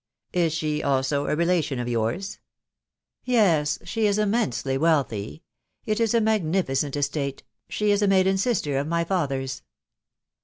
.... Is she also a relation of yours ?"" Yes, she is immensely wealthy It is a magnificent estate. She is a maiden sister of my father's."